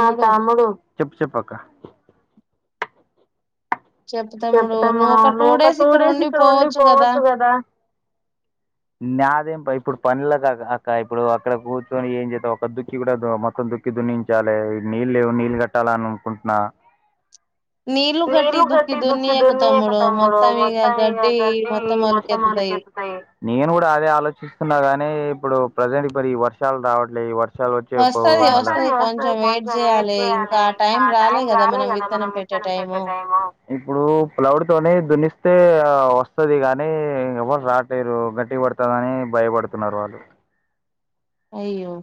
ఆ తమ్ముడు చెప్పు చెప్పక్క చెప్పు తమ్ముడు నువ్వు ఒక టూ డేస్ ఇక్కడ ఉండి పోవచ్చు కదా నాదే ఇప్పుడు పనుల అక్క ఇప్పుడు అక్కడ కూర్చొని ఏం చేత ఒక దుక్కి కూడా మొత్తం దుక్కి దున్నించాలి నీళ్ళు ఏ నీళ్ళు కట్టాలని అనుకుంటున్నా నీలు గట్టి దుక్కి దుక్కి దున్నియకు దున్ని తమ్ముడు ఎకుతమ్ముడు ఇక మొత్తం ఇ గడ్డి గట్ మొత్తం మొలకెత్తుతాయి మొత్తతాయి నేను కూడా అదే ఆలోచిస్తున్నాగా నీ ఇప్పుడు ప్రజెంట్ ఇ మరి ఈ వర్షాలు రావట్లేదు వర్షం వ వ వస్తుంది కొంచెం వెయిట్ చేయాలి ఇంకా టైం రాలే కదా మనం విత్తనం పెట్టే టైం ఇప్పుడు ప్లౌడ్ తోనే దునిస్తే వస్తుది గానీ ఎ రాటరు గట్టి పడుతుందిని భయపడుతున్నారు వాళ్ళు అయ్యో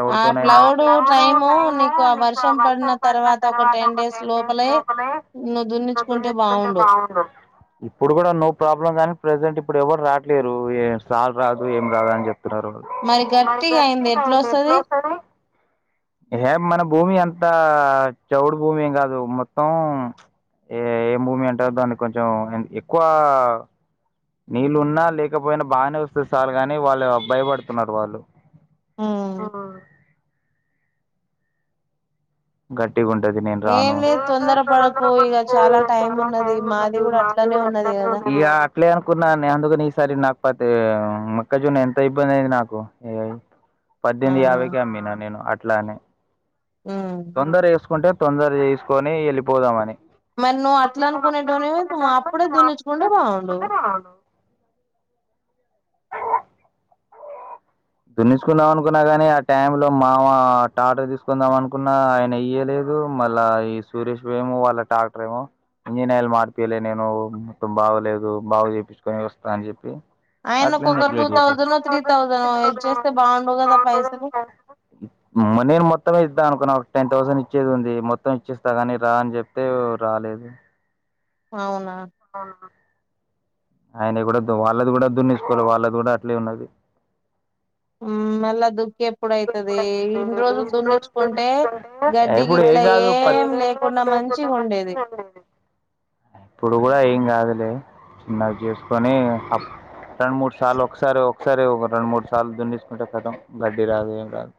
ఆ క్లౌడ్ టైమ్ వర్షం నీకు ఆ వర్షం పడిన తర్వాత ఒక టెన్ డేస్ లోపలే నువ్వు దున్నిచ్చు కుంటే బాగుండు ఇప్పుడు కూడా నో ప్రాబ్ల కానీ ప్రెసెంట్ ఇప్పుడు ఎవరు రాట్లేరు ఏ రాాలు రాదు ఏం రాదు అని చెప్ారు మరి గట్టిగా అయింది ఎట్ల వస్తుంది ది ఏం మన భూమి అంత చౌడు భూమి కాదు మొత్తం ఏ ఏం భూమి అంటారు దాన్ని కొంచెం ఎక్కువ నీళ్ళున్నా లేకపోయినా బాగానే వస్తే చాలు కాగాని వాళ్ళు భాయపడుతున్నారు వాళ్ళు ఆ గట్ ది నేను ఏం రాను లేదు తొందర పడకు ఇక చాలా టైం ఉన్నది మాది కూడా అట్లనే ఉన్నది కదా ఇ అట్లే అనుకున్నాను అందుకని ఈసారి నాకు ప్పతే మొక్కజొన్న ఎంత ఇబ్బంది అయింది నాకు ఆ పద్దెనిమిది యాభై క అమ్ిననా నేను అట్లానే ఉమ్ తొందరేసుకుంటే తొందర చేసుకొని వెళ్ళిపోదామని మరి నువ్వు అట్లా అనుకునేటోనివి నువ్వు అప్పుడే దునించుకుంటే బాగుండు దునించుకుందాం అనుకున్నా కాని ఆ టైంలో మామ ట్రాక్టర్ తీసుకుందాం అనుకున్నా ఆయన ఇయలేదు మళ్ళా ఈ సురేష్ ఏమో వాళ్ళ ట్రాక్టర్ ఏమో ఇంజన్ ఆయిల్ మారిపియలే నేను మొత్తం బాగలేదు బాగు చేపిచుకొని వస్తా అని చెప్పి అట్లే ఆయనకొక టూ నెగ్లెట్ చేసారు తౌసండ్ ఓ త్రీ తౌసండ్ ఓ ఇచేస్తే బాగుండుగద పైసలు నేను మొత్తం ఇద్దాం అనుకున్నా ఒక టెన్ థౌసండ్ ఇచ్చేది ఉంది మొత్తం ఇచ్చేస్తా కాని రా అని చెప్తే రాలేదు అవునా ఆయన కూడా దు వాళ్ళది కూడా దునించుకోలే వాళ్ళది కూడా అట్లే ఉన్నది. మ్మ్ మళ్ళ దు ఎప్పుడైతదీ ఇన్ని రోజులు దున్నించుకుంటే గడ్డి ఇప్పుడు ఏం గిట్ల కాదు పత్ ఏం లేకుండా మంచిగుండేది. తే చిన్నగ చేసుకొని రెండు మూడు సార్లు ఒకసారి ఒకసారి ఒక రెండు మూడు సార్లు దున్నిచుకుంటే కథం. గడ్డి రాదు‌ ఏం రాదు.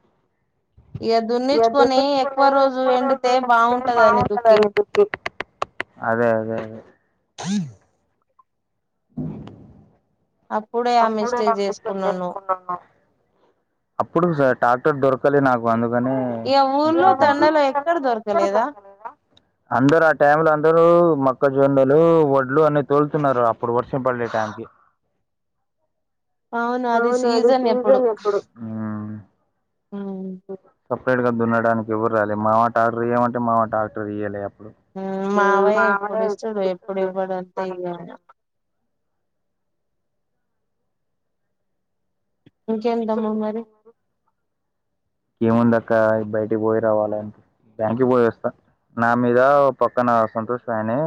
ఇగ దున్నిచ్చుకొని ఎక్కువ రోజులు ఎండితే బావుంటదని దుక్కి. అదే అదే అదే అప్పుడే ఆ మిస్టేక్ చేసుకున్నాను అప్పుడు టా క్టర్ దొరకలే నాకు అందు కాని ఇగ ఊర్లో దండలు ఎక్కడ దొరకలేదా అందరు ఆ టైం లో అందరూ మ క్క జొన్నలు, వడ్లు అన్ని తోలుతున్నారు అ ప్పడు వర్షం పడే టైమ్కి. అవును అది సీజన్ ఎప్పుడు హ్మ్ ఉమ్, ఓ సపరేట్గా దున్నడానికి ఎవరు రాలే, మా మావ టాక్టర్ ఇయ్యమంటే మామ టాక్టర్ ఇయ్యలే. అ మ్మ్ మావయ్య ఎప్పుడు ఇస్తడు, ఎప్పుడు ఇవ్వడు అంతే ఇగ ఆయన. ఇంకేంటమ్మా మరి ఏముందక్క బయటికి బోయి రావాల, బ్యాంక్ కి బోయొస్తా నా మీద పక్కన సంతోష్ ఆయనే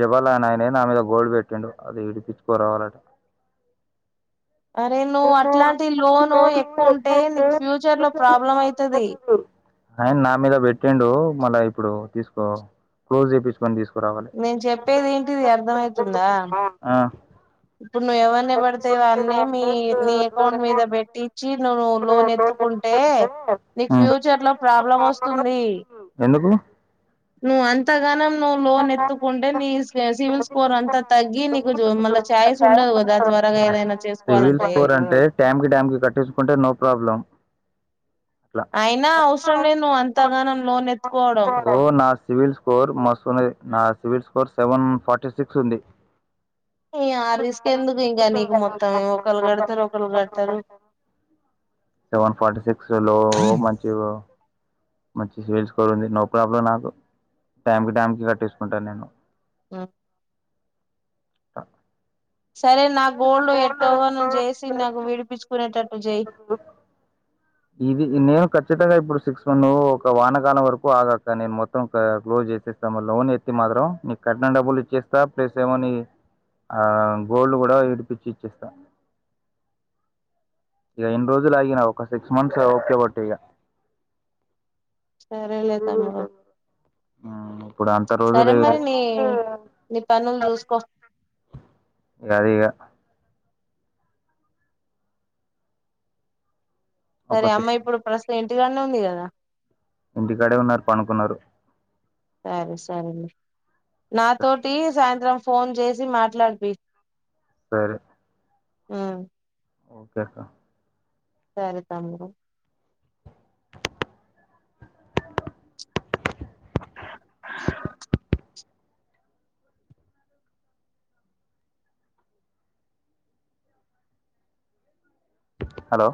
జబాల అని ఆయనే నా మీద గోల్డ్ పెట్టిండు, అది విడిపిచ్చుకొ రావాలట. అరే నువ్వు అట్లాంటి లోను ఎక్కువ ఉంటే నీకు ఫ్యూచర్ లో ప్రాబ్లం అయితది. ఆయన నా మీద పెట్టిండు మళ్ళ ఇప్పుడు తీసుకో క్లోజ్ చెపి నేను చెప్పేది ఏంటిది అర్ధమయితుందా? ఆ ఇప్పుడు నువు ఎవన్ని పడితే వాన్ని మీ నీ అకౌంట్ మీద పెట్టించి నువు లోన్ ఎత్తుకుంటే, నీకు ఫ్యూచర్ లో ప్రాబ్లం ఆ వస్తుంది. ఎందుకు నువం త్తగానం నువ్వు లోన్ ఎత్తుకుంటే నీ సివిల్ స్కోర్ అంతా తగ్గి నీకు మళ్ళ సివిల్ చేసుకోవాలంటే స్కోర్ అంటే టైం కి టైముకి కట్టించుకుంటే నో ప్రాబ్లం. అట్లా అయినా అవసరం లేదు నువ్వు అంతగానం లోన్ ఓ ఎత్కోవడం. నా సివిల్ స్కోర్ మస్తున్నది నా civil score seven forty six ఉంది. ఆ రిస్క్ ఎందుకు ఇంకా నీకు మొత్తం ఒకళు కడుతరు ఒకళు కట్టరు. చిగ మంచి సేల్స్ కూడా ఉంది నో ప్రాబ్లం నాకు టైంకి టైంకి కట్టేసుకుంటాను నేను. మ్ ఆ సరే నా గోల్డ్ ఎత్తగానే చేసి నాకు విడిపించుకునేట [inaudible] ఇది నేను ఖచ్చితంగా ఇప్పుడు సిక్స్ [unintelligible] ఒక వానకాలం వరకు ఆగాక నేను మొత్తం క్లోజ్ చేపిస్తాము లోన్ ఎత్తి మాత్రం నీకు కట్నం డబ్బులు ఇచ్చేస్తా ప్లస్ ఏమోని ఆ గోల్డ్ కూడా విడిపిచ్చి ఇచ్చేస్తా ఇక ఎన్ని రోజులు ఆగిన ఒక సిక్స్ మంత్స్ ఓపిక బట్టు ఇక సరే లే తమ్ముడు ఇప్పుడు అంత సరే రోజులు ఇక మరి నీ నీ పన్నలు చూసుకో [unintelligible] సరే ఒక అమ్మా సిక్స్ ఇప్పుడు ప్రస్తుతం ఇన్ టీకానే ఉంది కదా ఇంటికాడే ఉన్నారు పడుకున్నారు సరే సరే లే నాతోటి సాయంత్రం ఫోన్ చేసి మాట్లాడిపి సరే ఊమ్ ఒకే అక్క సరే తమ్ముడు హలో